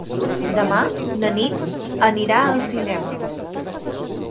Demà na Nit anirà al cinema.